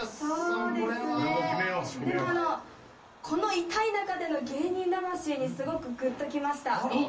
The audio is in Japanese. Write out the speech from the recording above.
でもあのこの痛い中での芸人魂にすごくグッときました。